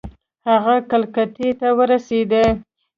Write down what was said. هغه کلکتې ته ورسېدی.